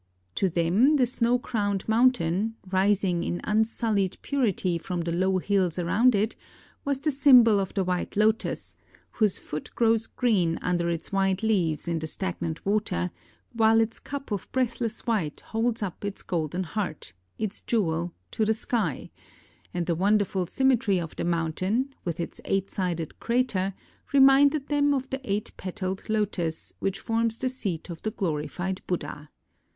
To them the snow crowned mountain, rising in unsullied purity from the low hills around it, was the symbol of the white lotus, whose foot grows green under its wide leaves in the stagnant water, while its cup of breathless white holds up its golden heart, its jewel, to the sky; and the wonderful symmetry of the mountain, with its eight sided crater, reminded them of the eight petaled lotus which forms the seat of the glorified Buddha.